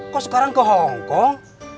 kok sekarang ke hongkong